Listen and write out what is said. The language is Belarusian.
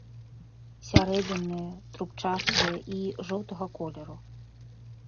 Сярэдзінныя трубчастыя і жоўтага колеру.